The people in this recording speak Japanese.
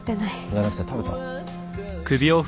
じゃなくて食べた？